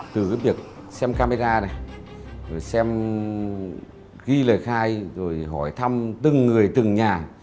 từ việc xem camera xem ghi lời khai rồi hỏi thăm từng người từng nhà